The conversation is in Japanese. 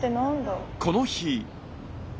この日。